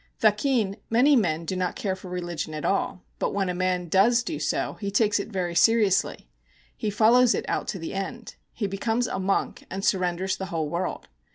'Thakin, many men do not care for religion at all, but when a man does do so, he takes it very seriously. He follows it out to the end. He becomes a monk, and surrenders the whole world.